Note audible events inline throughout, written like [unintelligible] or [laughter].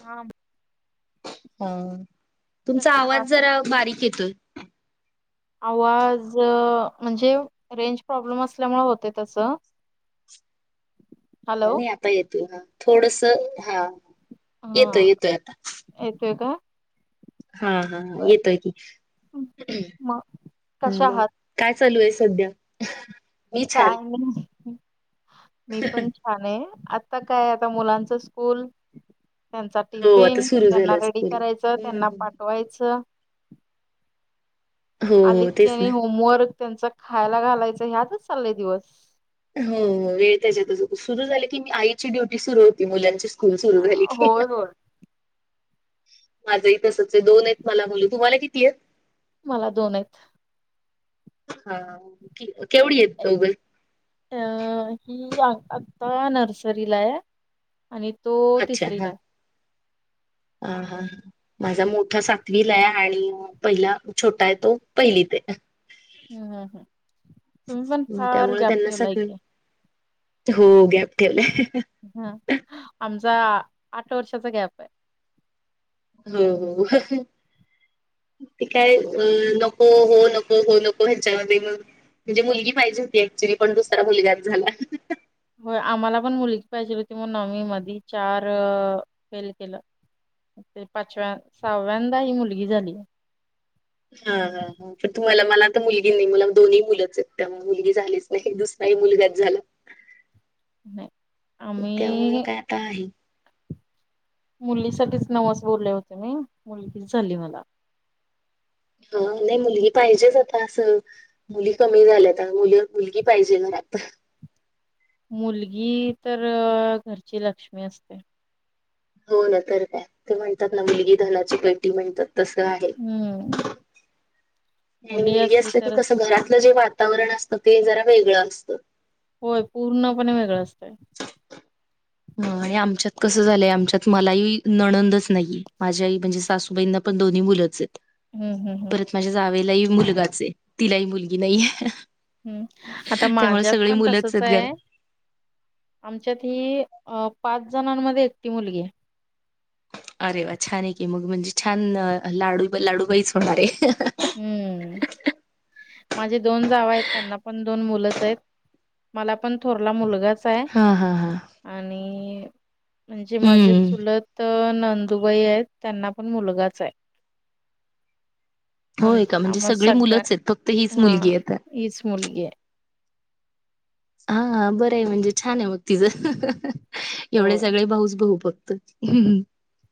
हा. ह, तुमचा कशा आहात? आवाज जरा बारीक येतोय. आवाज म्हणजे, रेंज प्रॉब्लेम असल्यामुळे होतय तस. हा, नाही आता येतोय ह, थोडस हा. येतोय हा, येतोय आता येतोय का? हा, हा बर. येतोकी. मग हा कशा म. आहात? काय चालू हाय सध्या? मी काय छान नाही, मी पण छान आहे. आता काय आता मुलांच स्कूल. त्यांचा हो आता टिफिन, सुरू त्यांना झालं रेडी स्कूल. करायचं, त्यांना हो पाठवायचं. हो आलीत तेच ना कणी होमवर्क त्यांच खायला घालायचं, ह्यातच चालय दिवस. हो, वेळ त्येज्यातच सुरू झाली की मी आईची ड्युटी सुरु होती मुलांची स्कूल सुरु झाली की. होय होय. माझही तसंच आहे, दोन आहे मला मूल, तुम्हाला किती आहेत? मला दोन आहेत. हा, केवढी आहेत दोघही? अ, ही आता नर्सरीला हाय. आणि तो अच्छा हा तिसरीला हाय. हा, ह. माझा मोठा सातवीला हाय आणि पहिला छोटा आहे तो पहिलीत हाय. हम्म, हम्. तुम्ही पण आहे फार त्यामुळे गॅप त्यांना ठेवला सगळ कि. हो गॅप ठेवलाय. हम, आमचा आठ वर्षाचा गॅप हाय. हो, हो. ते काय, अ नको हो, नको हो नको, ह्याच्यामध्ये मग म्हणजे मुलगी पाहिजे होती ऍक्च्युली, पण दुसरा मुलगाच झाला. होय आम्हाला पण मुलगी पाहिजे होती म्हणून म आम्ही मधी चार फेल केल. ते पाचव्या, सहाव्यांदा ही मुलगी झाली. हा, हा, हा. तुम्हाला मला आता मुलगी नाही, मला दोन्ही मुलंच आहेत त्यामुळ मुलगी झालीच नाही, दुसराही मुलगाच झाला. नाही त्यामूळ आम्ही काय आता आहे. मुलीसाठीच नवस बोलले होते मी, मुलगीच झाली मला. हं, नही मुलगी पाहिजेच, आता असं मुली कमी झाल्या आता, मुल-मुलगी पाहिजे मग आता. मुलगी तर, घरची लक्ष्मी असते. हो ना तर काय, ते म्हणतात ना, मुलगी धनाची पेटी म्हणतात, तसं आहे. हम्म. आणि मुली मुलगी असली की, कसं तरच घरातलं जे वातावरण असतं, ते जरा वेगळं असतं. होय पूर्णपणे वेगळं असतं. मं आणि आमच्यात कसं झालंय, आमच्यात मलाही नणंदच नाहीये, माझ्या आई, म्हणजे सासूबाईंना प पण दोन्ही मुलंच आहेत. हम्म हम्म हम्म. परत, माझ्या जावेलाही मुलगाचं ये, तिलाही मुलगी नाहीये. हम्म, आता त्यामुळे माझ्यात सगळी पण मुलंच तसच आहेत घरात. य. आमच्यात ही, अ पाच जणांमध्ये, एकटी मुलगी ये. अरे वा छान आहे की मग म्हणजे छान लाडू लाडूबाईचं होणार आहे. हम्म, माझे दोन जावा आहेत, त्यांना पण दोन मुलंच येत. मला पण, थोरला मुलगाच हाय. हां हां हां. आणि म्हणजे माझे हम्म चूलत अ नंदुबाई येत, त्यांना पण मुलगाच य. आम होय का म्हणजे आम्हा सगळी मुलंच आहेत, फक्त हीच मुलगी आहे तर. हिचं मुलगी य. आं बरं म्हणजे, छान ये, मग तिचं, एवढे होय सगळे भाऊचं- भाऊ फक् हम्म हम्म.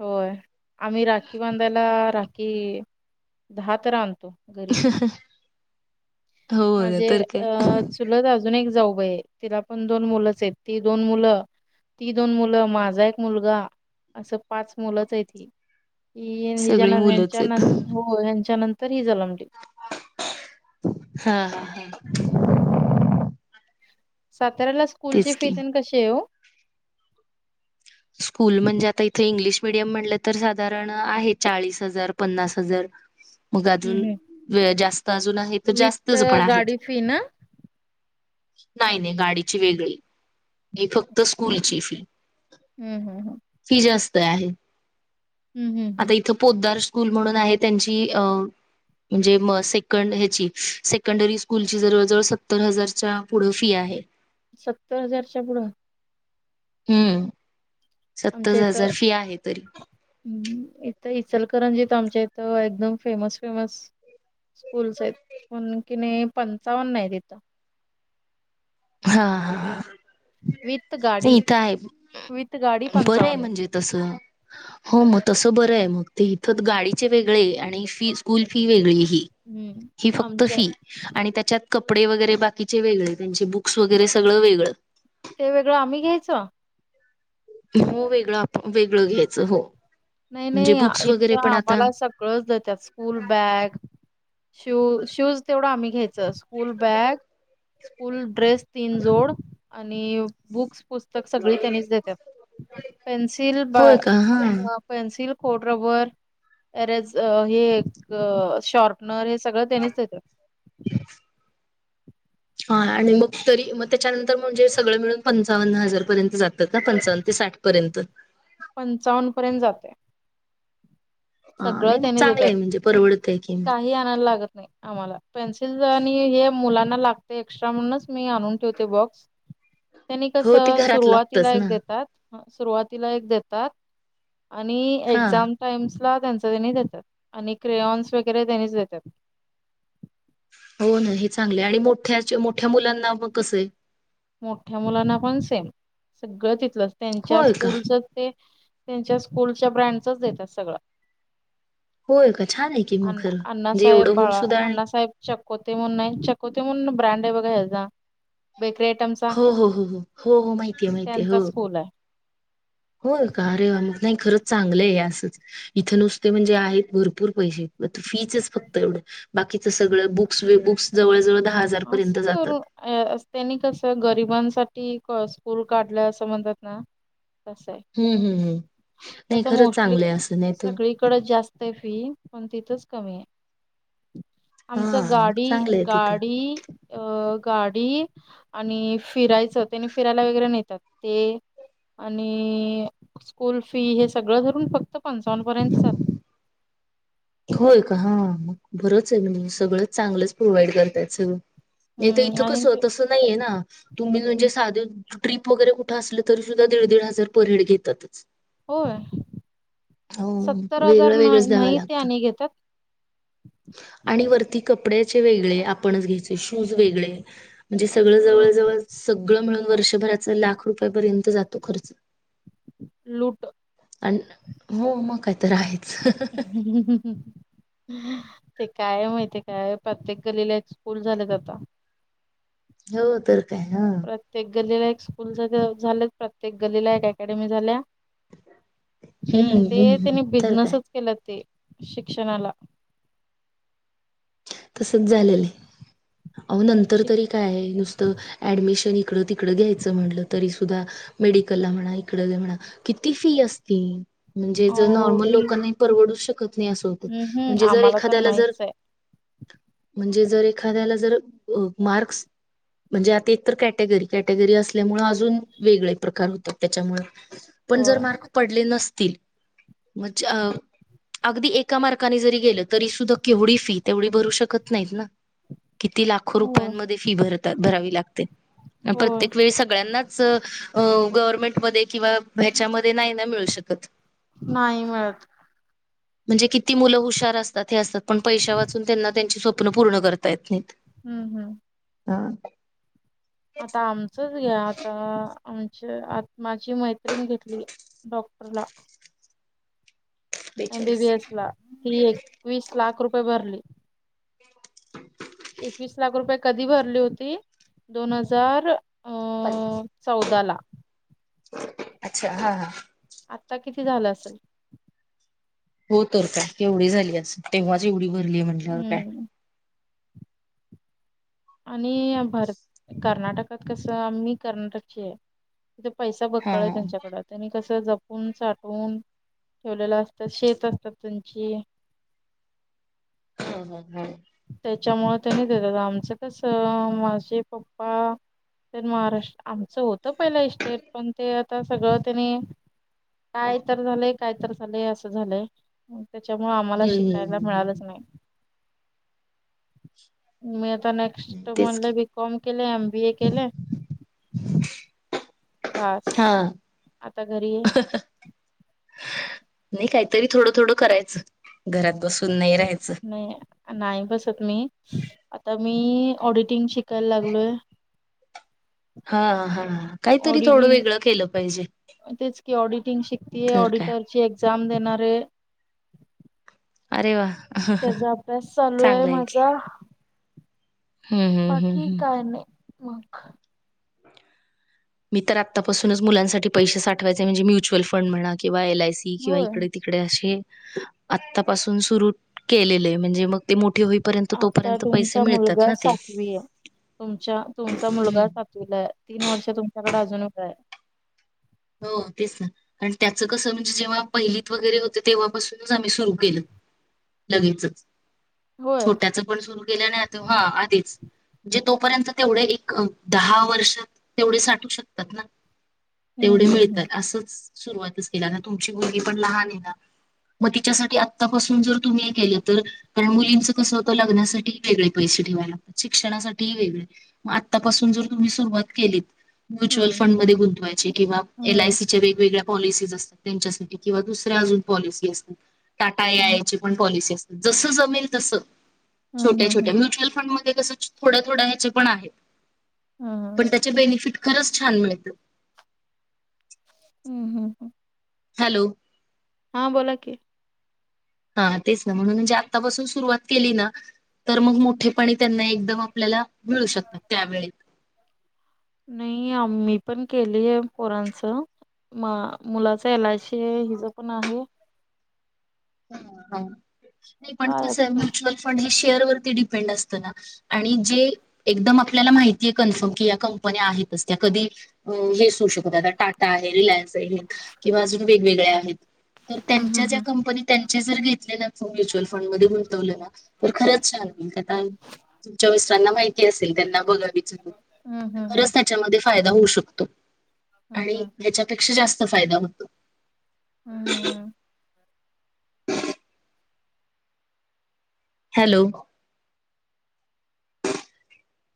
होय, आम्ही राखी बांधायला, राखी दहा तर आणतो. घरी. ्ह्णहण ह्हणं. माजे अ, चुलत अजून एक जाऊबाई ये तिला पण दोन मुलंच येत, ती दोन मुलं, ती दोन मुलं, माझा एक मुलगा असं पाच मुलंच ये ती, ही हिन्ज, सगळी मुलंच ह्यांच्या आहेत नतं हो ह्यांच्या नंतर ही जलमली. हा हा हा. हम्म हम्म हम्म. साताऱ्याला स्कूलची तेच फी की तेन कशी आहे ओ? स्कूल म्हणजे, आता इथं इंग्लिश मिडियम म्हणलं तर, साधारण आहे, चाळीस हजार, पन्नास हजार. मग हं, अजून, हं. व जास्त अजून आहे, त विथ जास्तचं [unintelligible] आहेत. गाडी फी ना? नाही नाही गाडीची वेगळी, ही फक्त स्कूलची, फी. हम्म हम्म हम्म. फी जास्त आहे हं, हं, हं. आता इथं पोदार स्कूल म्हणून आहे, त्यांची अ म्हणजे म सेकंड ह्याची सेकंडरी स्कूलची जवळजवळ सत्तर हजारच्या पुढं फी आहे. सत्तर हजारच्या, पुढं? हम्म, सत्तज हजार, फी आहे तरी. हम्म इथं इचलकरंजीत आमच्या इथं एकदम फेमस फेमस स्कूलसहित पण की नही, पंचावन्न ये तिथं. हा हा हा, विथ नही गाडी, इथं आहे, विथ गाडी बरंय य आहे. म्हणजे तसं हो मग तसं बरं आहे मग ते इथं गाडीचे वेगळे आणि फी स्कूल फी वेगळी ही, हं. ही फक्त आमच्या फी आणि त्याच्यात कपडे वगैरे बाकीचे वेगळे, त्यांचे बुक्स वगैरे सगळं वेगळं ते वेगळं आम्ही घ्यायचं. हो वेगळं, आपन वेगळं घ्यायचं हो. नाही म्हणजे नाही आ बुक्स वगैरे इथं पण आता आम्हाला सगळंच देत्यात, स्कूल बॅग शू शूज तेवढं आम्ही घ्यायचं. स्कूल बॅग, स्कूल ड्रेस तीन जोड आणि बुक्स पुस्तक सगळी त्यांनीच देत्यात. पेन्सिल बा अ हां. अ पेन्सिल, खोडरबर एरज अह हे अह शार्पनर सगळं त्यानीच देतातं. तेच. हा आणि मग तरी मग त्याच्यानंतर म्हणजे सगळं मिळून पंचावन्न हजार पर्यंत जातात ना, पंचावन्न ते साठ पर्यंत. पंचावन्न पर्यंत जातय. हा सगळं नाही मग त्यानी चांगलं देत्यात. आहे म्हणजे परवडत आहे की काही आणायला लागत नाही आम्हाला. पेन्सिल आणि हे मुलांना लागतय एक्स्ट्रा म्हणूनच मी आणून ठेवते बॉक्स. [inaudible] त्यांनी ते कसं घरात लागतच सुरुवातीला एक ना देतात सुरुवातीला एक देतात आणि हा एक्झाम टाईम्सला त्यांच त्यांनी देतात आणि क्रेयॉन्स वगैरे त्यांनीच देतात. हो ना, हे चांगलं हाय आणि मोठ्याच्या मोठ्या मुलांना मग कसंय? मोठ्या मुलांना पण सेम सगळं तिथलं. त्यांच्या होय का स्कूलच ते तेंच्या स्कूलच्या ब्रँडचच देतात सगळं. होय का छान आहे की मग अन्ना खरं म्हणजे अण्णासाहेब एवढं होऊन बाळा, सुद्धा आणि अण्णासाहेब चकोते म्हणून हाय, चकोते म्हणून ब्रँड हाय बघा ह्याचा बेकरी आयटमस हो हो हो हो हो हो माहितीय आहे. माहिती आहे त्यांचा हो. स्कूल आहे होय का, अ रे वा! मग नाही खरंच चांगलं ए असंच इथ नुसते म्हणजे आहेत भरपूर पैसे, म फीचच फक्त एवढं बाकीचं सगळं बुक्स बुक्स जवळ जवळ धा आस करो. आ त्यांनी कसं गरिबांसाठी स्कूल काढलं असं म्हणतात ना तसाय, हम्म हम्म हम्म नाही तस खरंच मोस्टली चांगलं आहे असं नाही तर सगळी कडच जास्त हाय फी, पण तिथच कमी हाय. हा आमचं मग गाडी, चांगलं आहे तिथं. गाडी अ गाडी आणि फिरायचं तेनी फिरायला वगैरे नेतात, ते आणि स्कूल फी हे सगळं धरून फक्त पंचावन्न पर्यंत जातय. होय का! हां बरंच आहे, सगळंच चांगलंच प्रोव्हाइड करताय येत सगळं. नाही तर हम्म इथं आणि कस? ते तसं नाहीये ना, तुम्ही म्हणजे हं, साधे ट्रिप वगैरे कुठं असले तरी सुद्धा, दीड दीड हजार पर हेड घेतातच. होय हो सत्तर हजार वेगळं ना- वेगळंच द्याव नाही ते लाग आणि घेतात. आणि वरती कपड्याचे वेगळे आपणच घ्यायचे, शूज वेगळे म्हणजे अ सगळं जवळ जवळ सगळं मिळून वर्षभराचा लाख रुपयापर्यंत जातो खर्च. लूट अन्न हो मग का तर आहेत हम् हम ह् ह ते काय माहिती काय प्रत्येक गलीला एक स्कूल झालंच आता हो तर काय हा प्रत्येक गलीला एक स्कूल झाले प्रत्येक गलीला एक अकॅडमी झाल्या हम्म ते हम्म त्यांनी तर काय बिझनेसच केला ते शिक्षणाला तसंच झालेले आहो नंतर शिक तरी काय नुसतं ॲडमिशन इकडं तिकडं घ्यायचं म्हटलं तरीसुद्धा मेडिकलला म्हणा इकडं म्हणा किती फी असती म्हणजे जर नॉर्मल ओवी लोकांना परवडू शकत नाही असं होतं हम्म म्हणजे जर आम्हाला तर एखाद्याला जर नाहीच आहे म्हणजे जर एखाद्याला जर मार्क्स म्हणजे आता इतर कॅटेगरी कॅटेगरी असल्यामुळे अजून वेगळे प्रकार होतात त्याच्यामुळे पण जर होय मार्क पडले नसतील. म्हणजे अगदी एका मार्काने जरी गेलं तरी सुद्धा केवढी फी तेवढी फी भरू शकत नाही ना किती लाखो हो रुपयांमध्ये फी भरात भरावी लागते. हो प्रत्येक वेळी सगळ्यांनाच गव्हर्नमेंटमध्ये किंवा ह्याच्यामध्ये नाही ना मिळू शकत. नाही मिळत. म्हणजे किती मुलं हुशार असतात हे असतात पण पैशा वाचून त्यांना त्यांची स्वप्न पूर्ण करता येत नाही. हम्म हम्म हा आता आमचंच घ्या आता आमच्या आ माझी मैत्रीण घेतली डॉक्टर ला बेचाळीस एमबीबी एस ला ती एकवीस लाख रुपये भरली एकवीस लाख रुपये कधी भरली होती दोन हजार अ [inaudible] चौदा ला अच्छा हा हा आत्ता किती झालं असेल. हो तर का केवढी झाली असं तेव्हाच एवढी भरली आहे म्हटल्यावर काय? हम्म आणि भरत कर्नाटकात कसं मी कर्नाटकची आहे. तिथे पैसा हा बकळ आहे हा. त्यांच्याकड त्यांनी कसं जपून साठून ठेवलेलं असतं शेत असतात त्यांची हम्म हम्म हम्म त्याच्यामुळे त्यांनी देतात आमचं कसं माझे पप्पा महाराष्ट्र आमचं होतं पहिला इस्टेट पण ते आता सगळं त्यांनी काय तर झालंय काय तर झालंय असं झालंय त्याच्यामुळे आम्हाला शिकायला हम्म मिळालंच नाही. मी आता नेक्स्ट तेच की म्हणले बीकॉम केले एम बी ए केले. बस हा आता घरी आहे. नाही काहीतरी थोडं थोडं करायचं घरात बसून नाही राहायचं. नाही नाही बसत मी आता मी ऑडिटिंग शिकायला लागलोय. हा हा काहीतरी थोडं ऑडिटिंग, वेगळं केलं पाहिजे तेच की ऑडिटिंग शिकतीय, तर काय ऑडिटर ची एक्झाम देणारे. अरे वा त्याचा अभ्यास चालू आहे चांगलं की माझा. हम्म हम्म हम्म बाकी हम्म काय नाही मग. मी तर आत्तापासूनच मुलांसाठी पैसे साठवायचे, म्हणजे म्युच्युअल फंड म्हणा किंवा एल आय सी किंवा होय इकडे इकडे असे, आतापासून सुर केलेले म्हणजे मग ते मोठी हो आता तुमचा मुलगा सातवी आहे. तुमचा -तुमचा हं. मुलगा सात तुला तीन वर्ष तुमच्याकडे अजून वेळ हाय. हो तेचना. आणि त्याचं कस म्हणजे जेव्हा पहिलीत वगैरे होते. तेव्हापासूनच आम्ही सुरू केलं. लगेचच होय छोट्याच पण सुरू केलं नाही आता, हा आधीच म्हणजे तोपर्यंत तेवढे एक, दहा वर्षात तेवढे साठू शकतात ना. तेवढे हम्म हम्म मिळतात, असंच सुरुवातच केली आता तुमची मुलगी पण लहान आहे ना? मग तिच्यासाठी आत्तापासून जर तुम्ही हे केलं तर कारण मुलींचं कसं होतं लग्नासाठी वेगळे पैसे ठेवायला लागतात. शिक्षणासाठी वेगळे मग आतापासून जर तुम्ही सुरवात केली, म्युचुअल हम्म फंड मध्ये गुंतवायची किंवा एल हम्म आसी वेगवेगळ्या पॉलिसीज असतात. त्यांच्यासाठी किंवा दुसऱ्या अजून पॉलिसी असतात. टाटा ए आय हम्म ची पण पॉलिसी असते. जसं जमेल तसं. हम्म हम्म छोट्या- छोट्या हम्म म्युच्यअल फंड मध्ये कसं थोड्या थोड्या ह्याचे पण आहेत. हम्म पण त्याचे बेनिफिट खरंच छान मिळत. हम्, हम, ह हॅलो. हा बोला की, हा तेच ना, म्हणून म्हणजे आतापासून सुरुवात केली ना तर मग मोठे पाणी त्यांना एकदम आपल्याला मिळू शकतात. त्यावेळी नाही आम्ही पण केलीय पोरांचं. म मुलाच एल, आय, सी, आहे. हिज पण आहे. ह ह नाही पण काय कसं आहे आता म्युच्युअल फंड हे शेअर वरती डिपेंड असतं ना. आणि जे, एकदम आपल्याला माहितीय कन्फर्म की या कंपन्या आहेतच त्या कधी अ हे सु शकत आता टाटा आहे रिलायन्स आहे. किंवा अजून वेगवेगळ्या आहेत. तर हम्म त्यांच्या ज्या हम्म कंपनी त्यांचे जर घेतले ना म्युच्युअल फंड मध्ये गुंतवलं ना, तर खरंच छान होईल का आ तुमच्या मिस्टरांना माहिती. असे त्यांना बघा विचारून, हम्म खरच हम्म त्याच्यामध्ये फायदा होऊ शकतो. हम्म आणि हम्म हम्म हच्यापेक्षा जास्त फायदा होतो. हम हम हम,, हॅलो.